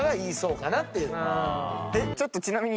ちょっとちなみに。